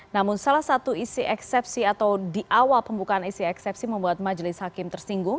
namun salah satu isi eksepsi atau di awal pembukaan isi eksepsi membuat majelis hakim tersinggung